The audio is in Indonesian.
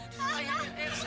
kok sakit lagi ya